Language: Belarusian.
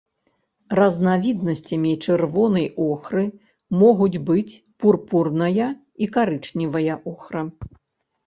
Разнавіднасцямі чырвонай охры могуць быць пурпурная і карычневая охра.